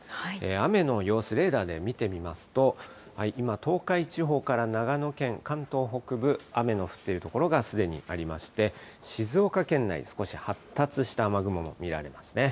雨の様子、レーダーで見てみますと、今、東海地方から長野県、関東北部、雨の降っている所がすでにありまして、静岡県内、少し発達した雨雲見られますね。